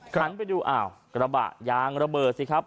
หันไปดูอ้าวกระบะยางระเบิดสิครับ